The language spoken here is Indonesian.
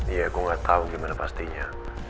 iya gue enggak tahu gimana pastinya